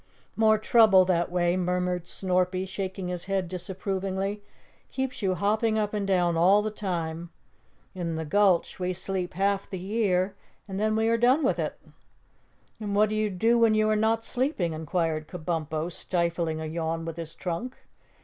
"More trouble that way," murmured Snorpy, shaking his head disapprovingly. "Keeps you hopping up and down all the time. In the Gulch we sleep half the year and then we are done with it." "And what do you do when you are not sleeping?" inquired Kabumpo, stifling a yawn with his trunk.